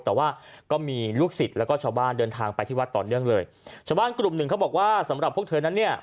แต่ว่าก็มีลูกศิษย์แล้วก็ชาวบ้านเดินทางไปที่วัดต่อเนื่องเลยชาวบ้านกลุ่มหนึ่งเขาบอกว่าสำหรับพวกเธอนั้นเนี่ย